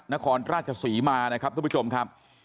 นครราชศรีมานะครับทุกผู้ชมครับ